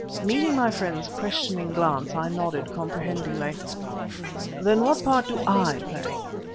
Meeting my friend's questioning glance, I nodded comprehendingly. "Then what part do I play?"